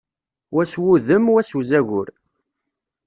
Wa s wudem, wa s uzagur.